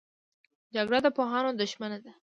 جګړه د پوهانو دښمنه ده